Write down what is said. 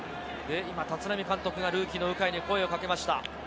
立浪監督がルーキー・鵜飼に声をかけました。